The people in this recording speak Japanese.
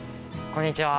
こんにちは。